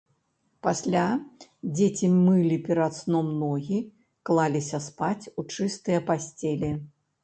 Пасля дзеці мылі перад сном ногі, клаліся спаць у чыстыя пасцелі.